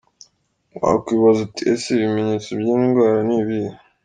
Wakwibaza uti ese ibimenyetso by’iyi ndwara ni ibihe?.